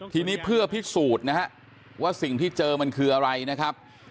ทีนี้เพื่อพิสูจน์นะฮะว่าสิ่งที่เจอมันคืออะไรนะครับ